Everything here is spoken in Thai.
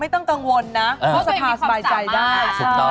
ไม่ต้องกังวลเพราะสะพาสบายใจได้